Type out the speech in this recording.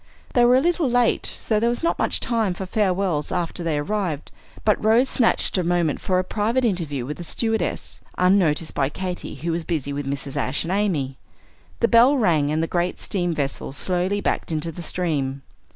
They were a little late, so there was not much time for farewells after they arrived; but Rose snatched a moment for a private interview with the stewardess, unnoticed by Katy, who was busy with Mrs. Ashe and Amy. The bell rang, and the great steam vessel slowly backed into the stream.